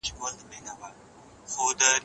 مجاهد د حق دپاره په توره جنګېدی.